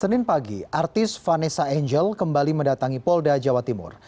senin pagi artis vanessa angel kembali mendatangi polda jawa timur